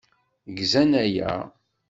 Gzan aya?